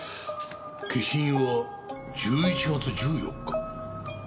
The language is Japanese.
消印は１１月１４日。